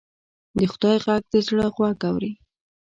د خدای غږ د زړه غوږ اوري